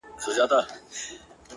ځمه گريوان پر سمندر باندي څيرم ـ